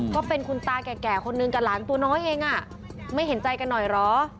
ก็เป็นคุณตาแก่คนนึงกับหลานตัวน้อยเองไม่เห็นใจกันหน่อยเหรอ